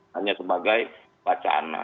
hanya sebagai wacana